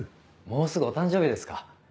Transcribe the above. もうすぐお誕生日ですか